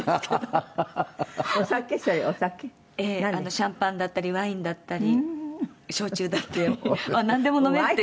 シャンパンだったりワインだったり焼酎だったりなんでも飲めるっていう事で。